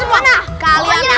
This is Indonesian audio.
tuh kan punya protestasi yang patah